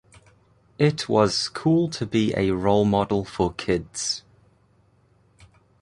It was cool to be a role model for kids.